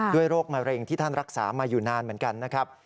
โรคมะเร็งที่ท่านรักษามาอยู่นานเหมือนกันนะครับ